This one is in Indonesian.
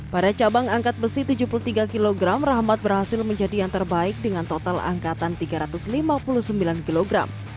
pada cabang angkat besi tujuh puluh tiga kg rahmat berhasil menjadi yang terbaik dengan total angkatan tiga ratus lima puluh sembilan kg